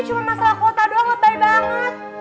cuma masalah kuota doang lebih baik banget